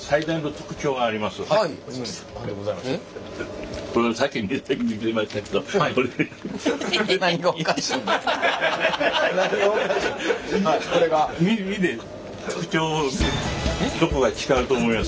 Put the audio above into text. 特徴どこが違うと思いますか？